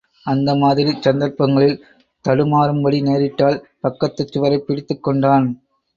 அந்தமாதிரிச் சந்தர்ப்பங்களில், தடுமாறும்படி நேரிட்டால் பக்கத்துச் சுவரைப் பிடித்துக் கொண்டான்.